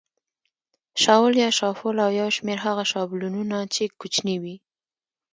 شاول یا شافول او یو شمېر هغه شابلونونه چې کوچني وي.